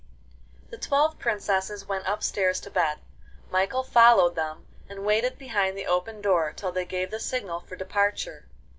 XIV The twelve princesses went upstairs to bed. Michael followed them, and waited behind the open door till they gave the signal for departure.